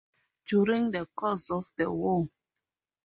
During the course of the war